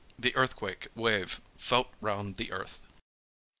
The Earthquake Wave Felt Round the Earth.